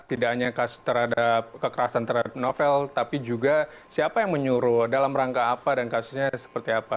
tidak hanya kasus terhadap kekerasan terhadap novel tapi juga siapa yang menyuruh dalam rangka apa dan kasusnya seperti apa